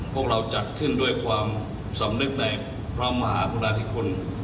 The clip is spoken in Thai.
พวกเราจัดขึ้นด้วยความสำนึกในพระมหากรุณาธิคุณ